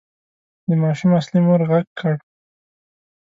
د ماشوم اصلي مور غږ کړ.